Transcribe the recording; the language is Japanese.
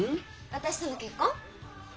私との結婚。